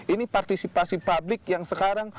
ini partisipasi publik yang sekarang